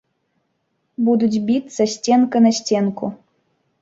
Будуць біцца сценка на сценку.